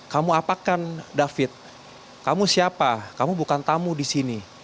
kamu apakan david kamu siapa kamu bukan tamu disini